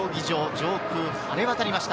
上空、晴れ渡りました。